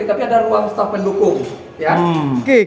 tapi ada ruang staf pendukung